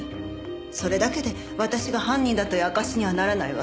それだけで私が犯人だという証しにはならないわ。